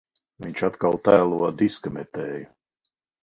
Viņš atkal tēlo diska metēju.